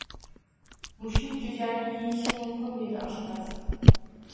– Mushuk jo‘jani yeyishi mumkin, – dedi oshpaz